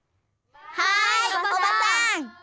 はいおばさん！